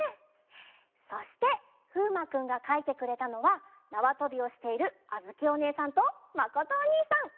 そしてふうまくんがかいてくれたのはなわとびをしているあづきおねえさんとまことおにいさん。